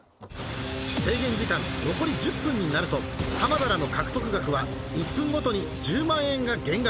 制限時間残り１０分になると浜田らの獲得額は１分ごとに１０万円が減額